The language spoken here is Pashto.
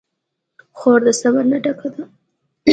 خور د صبر نه ډکه ده.